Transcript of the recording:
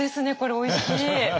おいしい！